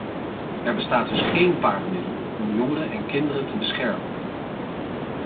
Er bestaat dus geen paardenmiddel om jongeren en kinderen te beschermen.